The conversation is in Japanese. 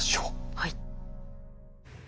はい。